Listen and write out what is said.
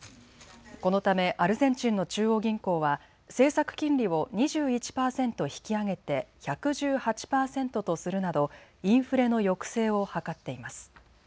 このためアルゼンチンの中央銀行は政策金利を２１％引き上げて１１８％とするなどインフレの抑制を図っています。